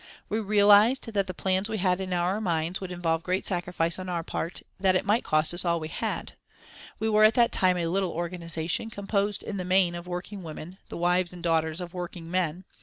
We realised that the plans we had in our minds would involve great sacrifice on our part, that it might cost us all we had. We were at that time a little organisation, composed in the main of working women, the wives and daughters of working men.